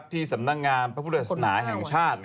ที่สำนักงานพระพุทธศาสนาแห่งชาติ